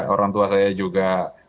orang tua saya juga